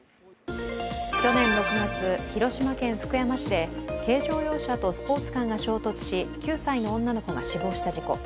去年６月、広島県福山市で軽乗用車とスポーツカーが衝突し９歳の女の子が死亡した事故。